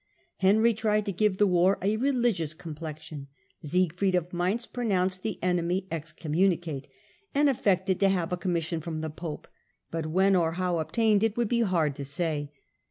Henry tried to give the war a religious complexion. Siegfried of Mainz pronounced the enemy excommunicate, and afiected to have a com mission from the pope, but when or how obtained it would be hard to say.